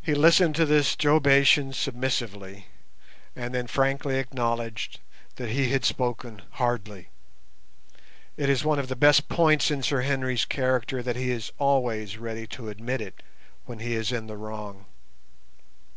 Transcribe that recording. He listened to this jobation submissively, and then frankly acknowledged that he had spoken hardly. It is one of the best points in Sir Henry's character that he is always ready to admit it when he is in the wrong.